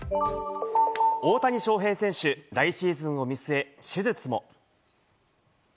大谷翔平選手、来シーズンを見据え、手術も。